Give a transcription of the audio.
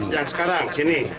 yang sekarang sini